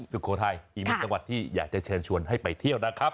สุโขทัยอีมิตรวรรษที่อยากจะเชิญชวนให้ไปเที่ยวนะครับ